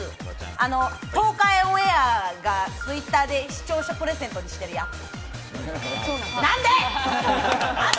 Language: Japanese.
東海オンエアがツイッターで視聴者プレゼントにしてるやつ。